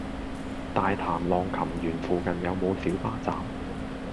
大潭浪琴園附近有無小巴站？